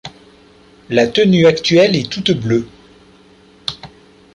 La tenue actuelle est toute bleue.